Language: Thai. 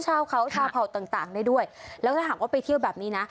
ชาวเขาชาวเผ่าต่างต่างได้ด้วยแล้วถ้าหากว่าไปเที่ยวแบบนี้นะ